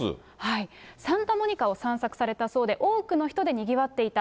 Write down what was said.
サンタモニカを散策されたそうで、多くの人でにぎわっていた。